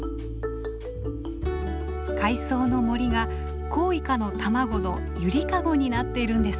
海藻の森がコウイカの卵のゆりかごになっているんですね。